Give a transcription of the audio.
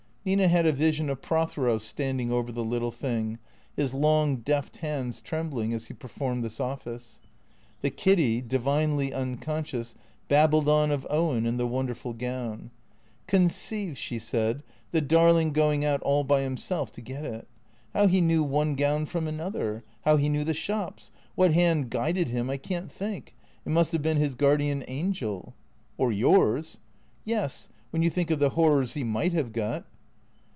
Nina had a vision of Prothero standing over the little thing, his long deft hands trembling as he performed this office. The Kiddy, divinely unconscious, babbled on of Owen and the wonderful gown. " Conceive," she said, " the darling going out all by himself to get it ! How he knew one gown from another — how he knew the shops — what hand guided him — I can't think. It must have been his guardian angel." " Or yours." " Yes — when you think of the horrors he might have got."